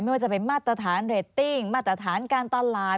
ไม่ว่าจะเป็นมาตรฐานเรตติ้งมาตรฐานการตลาด